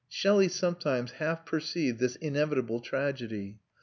Shelley sometimes half perceived this inevitable tragedy.